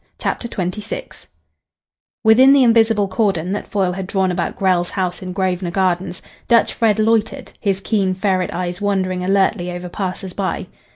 CHAPTER XXVI Within the invisible cordon that Foyle had drawn about Grell's house in Grosvenor Gardens, Dutch Fred loitered, his keen, ferret eyes wandering alertly over passers by.